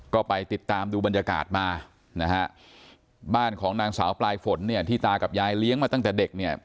ก็ไปติดตามดูบรรยากาศมานะฮะบ้านของนางสาวปลายฝนเนี่ยที่ตากับยายเลี้ยงมาตั้งแต่เด็กเนี่ย